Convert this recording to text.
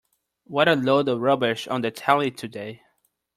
What a load of rubbish on the telly today.